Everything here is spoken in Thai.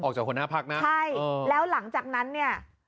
ออกจากหัวหน้าพรรคนะโอ้โฮแล้วหลังจากนั้นเนี่ย